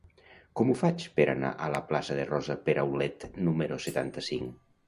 Com ho faig per anar a la plaça de Rosa Peraulet número setanta-cinc?